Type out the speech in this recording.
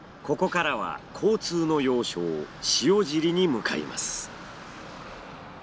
ここからは交通の要衝塩尻に向かいます。